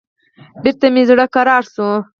بېرته مې زړه کرار سو.